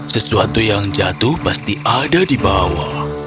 sesuatu yang jatuh pasti ada di bawah